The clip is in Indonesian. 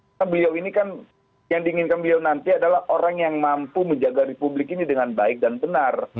karena beliau ini kan yang diinginkan beliau nanti adalah orang yang mampu menjaga republik ini dengan baik dan benar